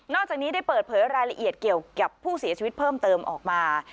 จากนี้ได้เปิดเผยรายละเอียดเกี่ยวกับผู้เสียชีวิตเพิ่มเติมออกมา